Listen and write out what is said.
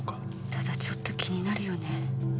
ただちょっと気になるよね。